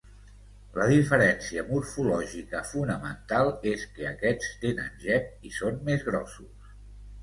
La diferència morfològica fonamental és que aquests tenen gep i són més grossos.